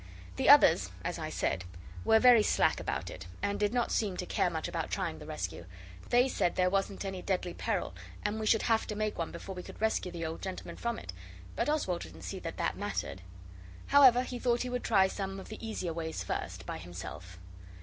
The others, as I said, were very slack about it, and did not seem to care much about trying the rescue. They said there wasn't any deadly peril, and we should have to make one before we could rescue the old gentleman from it, but Oswald didn't see that that mattered. However, he thought he would try some of the easier ways first, by himself.